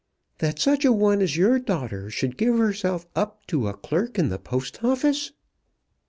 "That such a one as your daughter should give herself up to a clerk in the Post Office!"